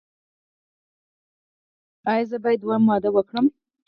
ایا زه باید دویم واده وکړم؟